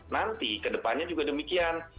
nanti kedepannya juga demikian